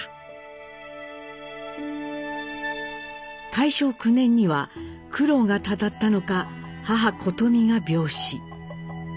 大正９年には苦労がたたったのか母コトミが病死。